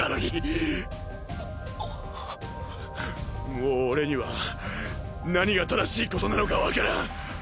もう俺には何が正しいことなのかわからん。